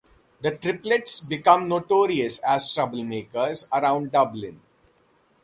The triplets become notorious as troublemakers around Dublin.